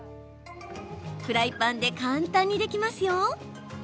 フライパンで簡単にできますよ。